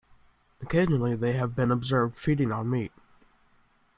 Occasionally they have been observed feeding on meat.